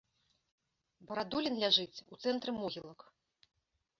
Барадулін ляжыць у цэнтры могілак.